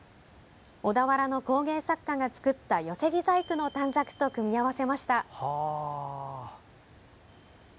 小田原の工芸作家が作った寄せ木細工の短冊と組み合わせました。